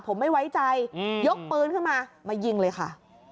ผมไม่ไว้ใจยกปืนขึ้นมามายิงเลยค่ะ